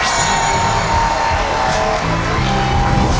ตอบถูก๔๐๐๐บาท